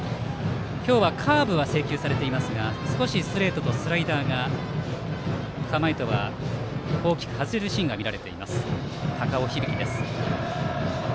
今日はカーブは制球されていますがストレートとスライダーが構えとは大きく外れるシーンが見られている高尾響です。